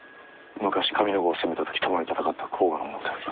昔上ノ郷を攻めた時共に戦った甲賀の者でござる。